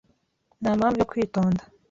Nta mpamvu yo kwitonda.